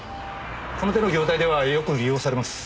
この手の業態ではよく利用されます。